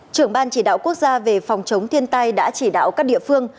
trưởng ban chỉ đạo quốc gia về phòng chống thiên tai đã chỉ đạo các địa phương